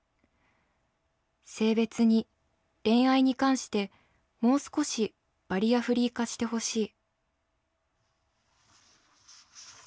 性別に恋愛に関してもう少しバリアフリー化してほしい」。